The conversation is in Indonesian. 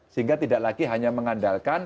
sehingga tidak lagi hanya mengandalkan